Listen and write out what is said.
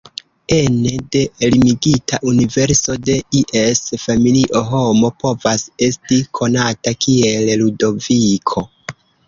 Ene de limigita universo de ies familio homo povas esti konata kiel "Ludoviko".